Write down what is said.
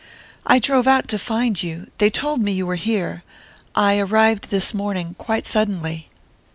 "I drove out to find you they told me you were here I arrived this morning, quite suddenly...."